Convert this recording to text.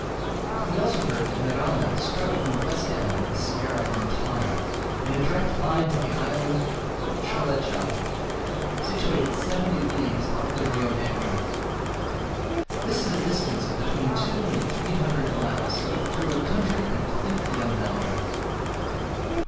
We also heard that Miranda struck from the west end of the Sierra Ventana, in a direct line to the island of Cholechel, situated seventy leagues up the Rio Negro. This is a distance of between two and three hundred miles, through a country completely unknown.